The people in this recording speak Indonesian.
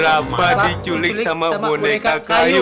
berapa diculik sama boneka kayu